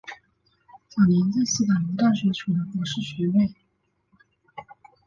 早年在斯坦福大学取得博士学位。